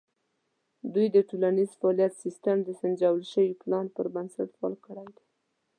دوی د ټولنیز فعالیت سیستم د سنجول شوي پلان پر بنسټ فعال کړی دی.